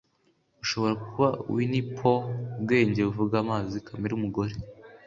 ushobora kuba winnie pooh ubwenge buvuga amazi kamere umugore